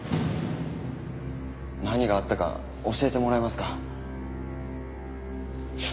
何があったか教えてもらえますか？